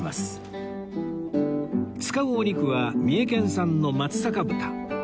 使うお肉は三重県産の松阪豚